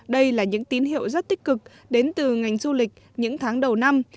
đây là những tín hiệu rất tích cực đến từ ngành du lịch những tháng đầu năm